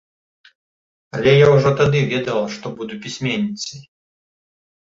Але я ўжо тады ведала, што буду пісьменніцай.